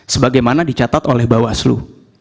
sebagaimana dicatat oleh bawaslu